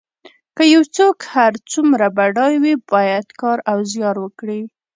که یو څوک هر څومره بډای وي باید کار او زیار وکړي.